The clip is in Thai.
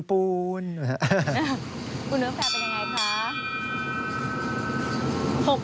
คุณเนื้อแพร่เป็นอย่างไรคะ